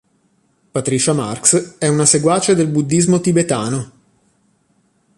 Patricia Marx è una seguace del buddismo tibetano.